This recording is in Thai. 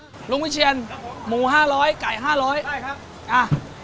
อ้าวลุงวิเชียนครับผมหมูห้าร้อยไก่ห้าร้อยได้ครับอ่ะ